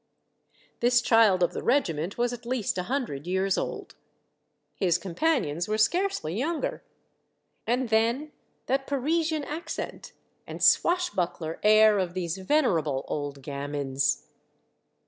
This child of the regiment was at least a hundred years old. His companions were scarcely younger. And then that Parisian accent and swashbuckler air of these venerable old gamins